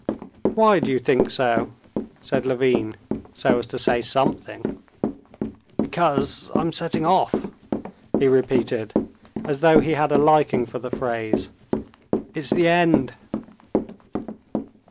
"Why do you think so?" said Levin, so as to say something. "Because I'm setting off," he repeated, as though he had a liking for the phrase. "It's the end."